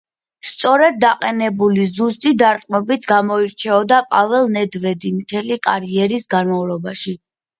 სწორედ დაყენებული, ზუსტი დარტყმებით გამოირჩეოდა პაველ ნედვედი მთელი კარიერის განმავლობაში.